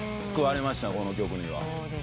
救われましたこの曲には。